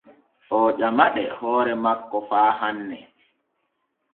Oo ƴamaɗe hoore makko faa hanne.